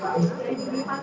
tadi sudah disampaikan